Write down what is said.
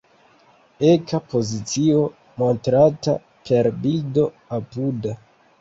Eka pozicio montrata per bildo apuda.